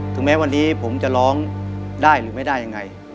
ถึงแม้วันนี้ผมจะร้องได้หรือไม่ได้ยังไง